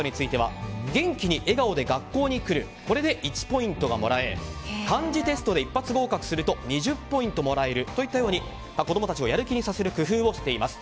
元気に笑顔で学校に来るこれで１ポイントがもらえ漢字テストで一発合格すると２０ポイントもらえるといったように子供たちをやる気にさせる工夫をしています。